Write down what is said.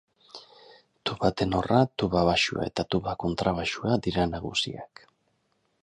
Tuba tenorra, tuba baxua eta tuba kontrabaxua dira nagusiak.